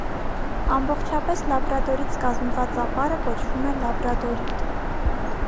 Ամբողջապես լաբրադորից կազմված ապարը կոչվում է լաբրադորիտ։